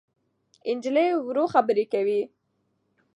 نجلۍ ورو خبرې کوي.